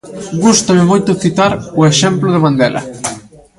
Gústame moito citar o exemplo de Mandela.